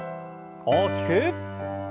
大きく。